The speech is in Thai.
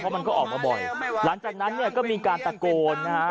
มันก็ออกมาบ่อยหลังจากนั้นเนี่ยก็มีการตะโกนนะฮะ